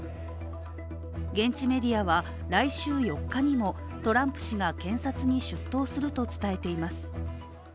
現地メディアは来週４日にもトランプ氏が検察に出頭すると伝えています。